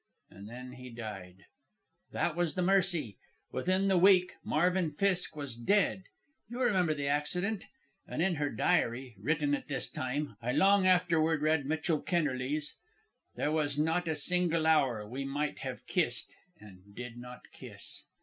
And then he died. That was the mercy. Within the week Marvin Fiske was dead you remember the accident. And in her diary, written at this time, I long afterward read Mitchell Kennerly's: "'There was not a single hour We might have kissed and did not kiss.'"